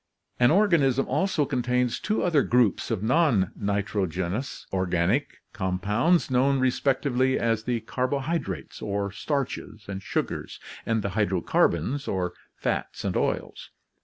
An organism also contains two other groups of non nitrogenous organic compounds known respectively as the carbohydrates or starches and sugars and the hydrocarbons or fats and oils.